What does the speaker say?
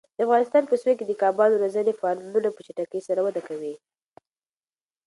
د افغانستان په سویل کې د کبانو روزنې فارمونه په چټکۍ سره وده کوي.